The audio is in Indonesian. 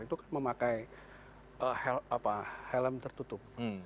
itu kan memakai helm tertutup